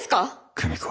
久美子